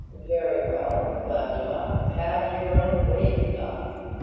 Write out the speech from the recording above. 'Very well, Vagula, have your own wayula!